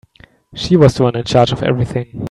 She was the one in charge of everything.